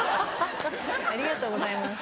ありがとうございます。